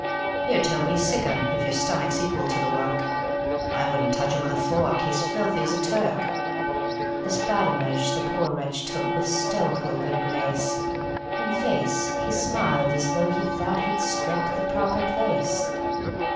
"Here, Toby, sic 'em, if your stomach's equal to the work I wouldn't touch him with a fork, he's filthy as a Turk." This badinage the poor wretch took with stoical good grace; In face, he smiled as tho' he thought he'd struck the proper place.